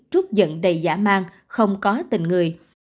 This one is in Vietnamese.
trút giận đầy giả mang không có tình người